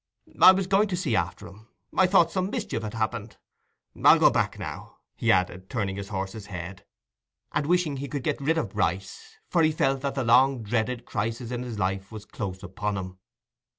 "I was going to see after him—I thought some mischief had happened. I'll go back now," he added, turning the horse's head, and wishing he could get rid of Bryce; for he felt that the long dreaded crisis in his life was close upon him.